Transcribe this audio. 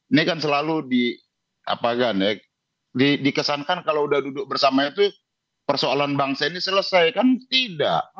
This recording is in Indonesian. ini kan selalu di apa kan ya dikesankan kalau udah duduk bersama itu persoalan bangsa ini selesai kan tidak